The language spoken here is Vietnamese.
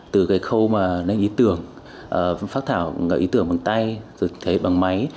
từ cái khâu mà nên ý tưởng phát thảo ý tưởng bằng tay rồi thể hiện bằng máy